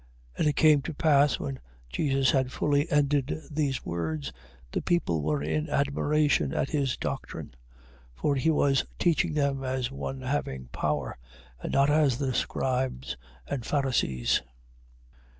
7:28. And it came to pass when Jesus had fully ended these words, the people were in admiration at his doctrine. 7:29. For he was teaching them as one having power, and not as the scribes and Pharisees.